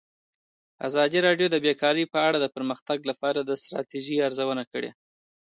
ازادي راډیو د بیکاري په اړه د پرمختګ لپاره د ستراتیژۍ ارزونه کړې.